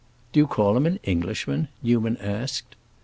"Do you call him an Englishman?" Newman asked.